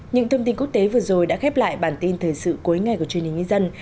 những thông tin quốc tế vừa rồi đã khép lại bản tin thời sự cuối ngày của truyền hình nhân dân